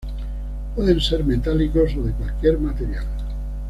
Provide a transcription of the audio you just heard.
Pueden ser metálicos o de cualquier material.